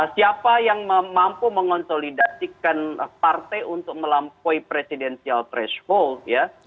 siapa yang mampu mengonsolidasikan partai untuk melampaui presidensial threshold ya